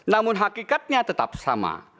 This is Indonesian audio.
namun hakikatnya tetap sama